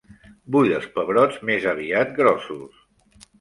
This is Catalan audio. Vull els pebrots més aviat grossos.